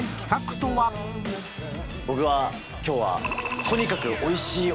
僕は今日は。